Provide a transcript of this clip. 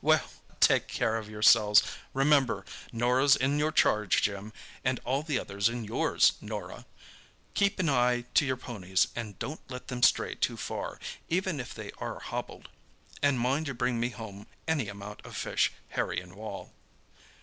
"Well, take care of yourselves; remember, Norah's in your charge, Jim, and all the others in yours, Norah! Keep an eye to your ponies, and don't let them stray too far, even if they are hobbled. And mind you bring me home any amount of fish, Harry and Wal."